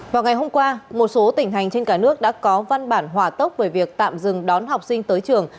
vào ngày hôm qua một số tỉnh hành trên cả nước đã có văn bản hòa tốc về việc tạm dừng đón học sinh tới trường